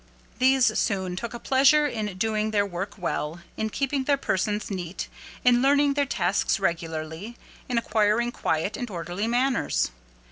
These soon took a pleasure in doing their work well, in keeping their persons neat, in learning their tasks regularly, in acquiring quiet and orderly manners.